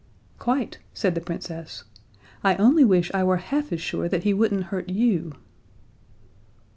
"Quite," said the Princess. "I only wish I were half as sure that he wouldn't hurt you."